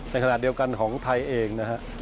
ในขณะเดียวกันของไทยเองนะฮะ